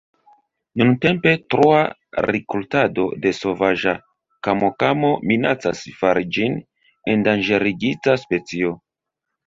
Nuntempe troa rikoltado de sovaĝa kamokamo minacas fari ĝin endanĝerigita specio.